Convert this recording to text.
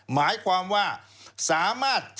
หมายความว่าสามารถ